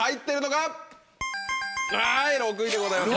はい６位でございます。